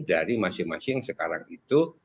dari masing masing sekarang itu